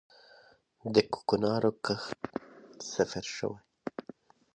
د کوکنارو کښت صفر شوی؟